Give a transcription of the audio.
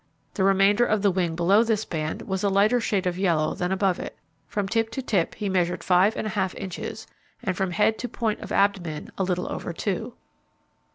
The remainder of the wing below this band was a lighter shade of yellow than above it. From tip to tip he measured five and a half inches, and from head to point of abdomen a little over two.